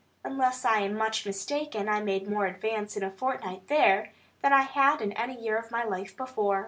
Unless I am much mistaken, I made more advance in a fortnight there, than I had in any year of my life before.